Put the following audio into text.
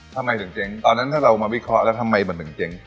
ทำไมถึงเจ๊งตอนนั้นถ้าเรามาวิเคราะห์แล้วทำไมมันถึงเจ๊ง